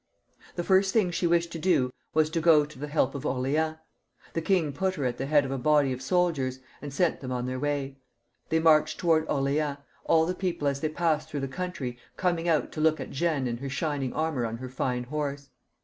The first thing she wished to do was to go to the help of Orleans. The king put her at the head of a body of soldiers, and sent them on their way* They marched to wards Orleans, all the people as they passed through the country coming out to look at Jeanne in her shining armour on her fine horse.